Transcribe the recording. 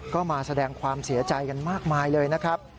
ก็มาแสดงความเสียใจกันมากมายเลยนะครับ